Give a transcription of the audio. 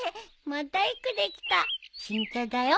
また一句できた。